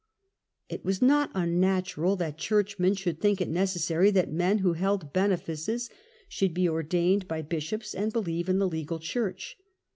It was not unnatural that Churchmen should think it necessary that men who held benefices should be ordained by bishops and believe in the legal church.